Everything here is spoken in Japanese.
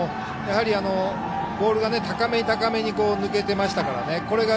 ボールが高めに抜けていましたからね